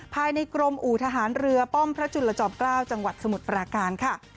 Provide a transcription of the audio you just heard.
ภายในกรมอู่ทหารเรือป้อมพระจุลจอมเกล้าจังหวัดสมุทรปราการค่ะ